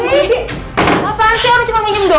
eh apaan sih aku cuma minum minum